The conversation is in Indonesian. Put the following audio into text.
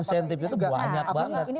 insentifnya itu banyak banget